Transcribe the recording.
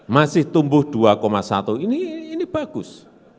masih tumbuh dua satu ini bagus